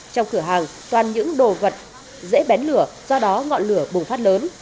trong cửa hàng toàn những đồ vật dễ bén lửa do đó ngọn lửa bùng phát lớn